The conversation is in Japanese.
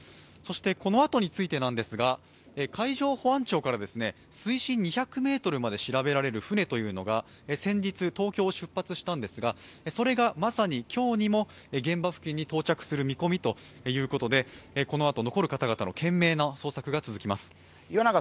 このあとについてなんですが、海上保安庁から水深２００ｍまで調べられる船というのが先日、東京を出発したんですが、それがまさに今日にも現場付近に到着する見込みということで、このあと、残る方々の懸命の捜索が続きます。